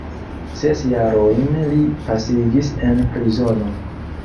Ses jarojn li pasigis en prizono.